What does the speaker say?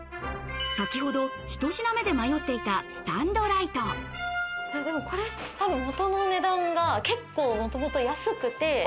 先ほど１品目で迷っていたこれ元の値段が結構元々安くて。